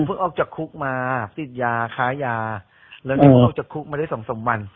ออกจากคุกมาติดยาค้ายาแล้วนี่เพิ่งออกจากคุกมาได้สองสามวัน